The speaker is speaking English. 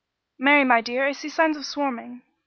"Mary, my dear, I see signs of swarming.